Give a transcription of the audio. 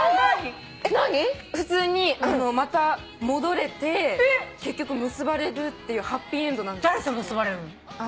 普通にまた戻れて結局結ばれるっていうハッピーエンドなんですよ。